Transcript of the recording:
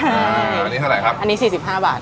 อันนี้เท่าไหร่ครับอันนี้๔๕บาท